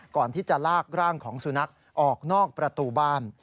ก่อนที่จะลากร่างของสุนัขออกนอกประตูบ้าน